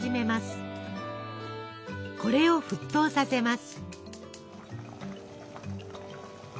これを沸騰させます。